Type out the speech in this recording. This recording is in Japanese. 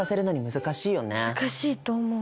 難しいと思う。